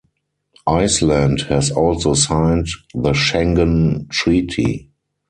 Iceland has also signed the Schengen treaty.